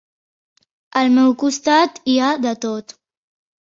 Al meu costat hi ha de tot.